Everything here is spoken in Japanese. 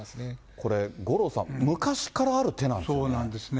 これ、五郎さん、昔からある手なんですよね。